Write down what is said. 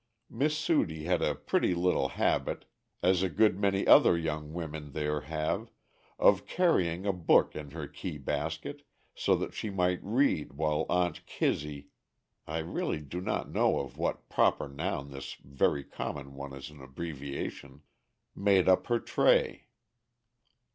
Miss Sudie had a pretty little habit, as a good many other young women there have, of carrying a book in her key basket, so that she might read while aunt Kizzey (I really do not know of what proper noun this very common one is an abbreviation) made up her tray.